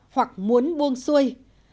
hoặc muốn buông xuôi